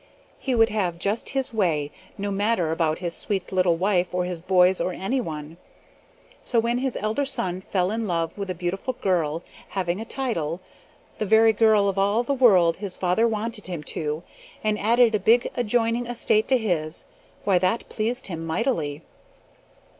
He would have just his way, no matter about his sweet little wife, or his boys, or anyone. So when his elder son fell in love with a beautiful girl having a title, the very girl of all the world his father wanted him to, and added a big adjoining estate to his, why, that pleased him mightily.